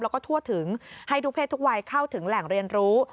แล้วก็ทั่วถึงให้ทุกเพศทุกวัยเข้าถึงแหล่งเรียนรู้